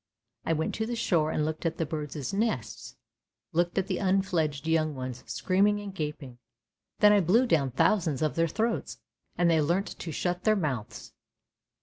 I went to the shore and looked at the birds' nests, looked at the unfledged young ones screaming and gaping ; then I blew down thousands of their throats and they learnt to shut their mouths.